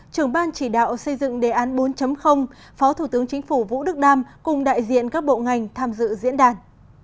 trưởng ban chỉ đạo xây dựng đề án bốn phó thủ tướng chính phủ vũ đức đam cùng đại diện các bộ ngành tham dự diễn đàn